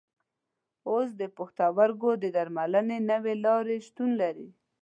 اوس د پښتورګو د درملنې نوې لارې شتون لري.